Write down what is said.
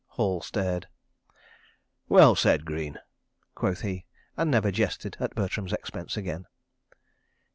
Hall stared. "Well said, Greene," quoth he, and never jested at Bertram's expense again.